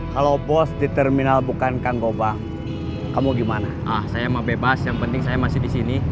kalau bos di terminal bukan kang gobang kamu gimana ah saya mau bebas yang penting saya masih di sini